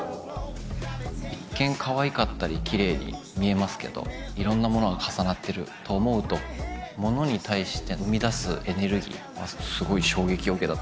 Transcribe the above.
一見かわいかったり奇麗に見えますけどいろんなものが重なってると思うとものに対して生み出すエネルギーはすごい衝撃を受けた。